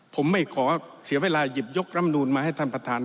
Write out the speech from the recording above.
ผมไม่ขอเสียเวลาหยิบยกรำนูนมาให้ท่านประธาน